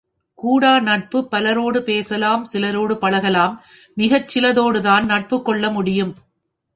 கூடா நட்பு பலரோடு பேசலாம் சிலரோடு பழகலாம் மிகச் சில தோடுதான் நட்புக்கொள்ள முடியும்.